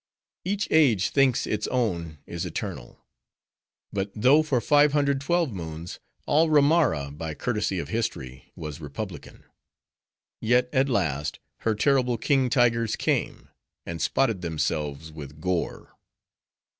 "Each age thinks its own is eternal. But though for five hundred twelve moons, all Romara, by courtesy of history, was republican; yet, at last, her terrible king tigers came, and spotted themselves with gore.